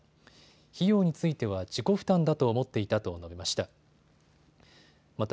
費用については自己負担だと思っていたと述べました。